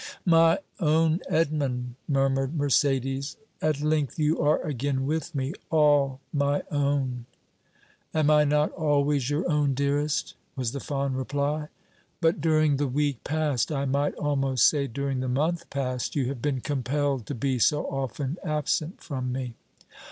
"My own Edmond!" murmured Mercédès. "At length you are again with me all my own!" "Am I not always your own, dearest?" was the fond reply. "But during the week past, I might almost say during the month past, you have been compelled to be so often absent from me."